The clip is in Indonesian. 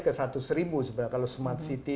ke seribu ribu kalau smart city